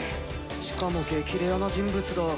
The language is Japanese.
しかも激レアな人物だ。